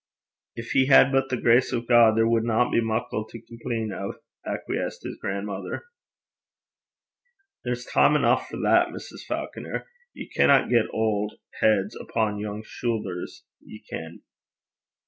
'Gin he had but the grace o' God, there wadna be muckle to compleen o',' acquiesced his grandmother. 'There's time eneuch for that, Mrs. Faukner. Ye canna get auld heids upo' young shoothers, ye ken.'